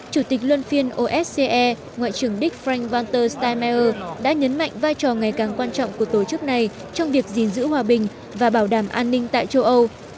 chủ tịch luân phiên osce ngoại trưởng đức frank vanter steinmeier đã nhấn mạnh vai trò ngày càng quan trọng của tổ chức này trong việc gìn giữ hòa bình và bảo đảm an ninh tại châu âu